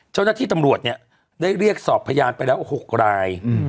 เจ้าหน้าที่ตำรวจเนี่ยได้เรียกสอบพยานไปแล้ว๖ราย